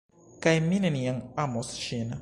kaj mi neniam amos ŝin!